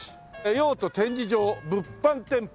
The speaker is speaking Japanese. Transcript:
「用途展示場物販店舗」